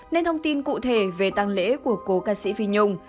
nên thông tin cụ thể về tăng lễ của cố ca sĩ phi nhung